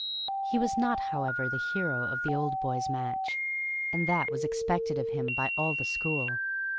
He was not, however, the hero of the Old Boys' Match, and that was expected of him by all the school.